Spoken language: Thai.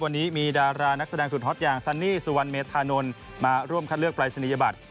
วันนี้มีดารานักแสดงสุดฮอตอย่างซันนี่สุวรรณเมธานนท์มาร่วมคัดเลือกปรายศนียบัตร